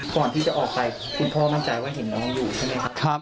ก่อนที่จะออกไปคุณพ่อมั่นใจว่าเห็นน้องอยู่ใช่ไหมครับ